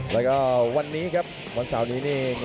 แล้วก็วันนี้ครับวันเสาร์นี้นี่